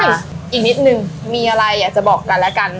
อีกนิดนึงมีอะไรอยากจะบอกกันแล้วกัน